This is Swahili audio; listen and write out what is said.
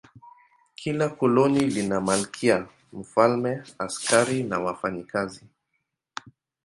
Kila koloni lina malkia, mfalme, askari na wafanyakazi.